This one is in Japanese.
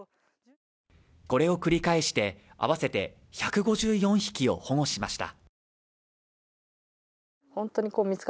これを繰り返して、合わせて１５４匹を保護しました。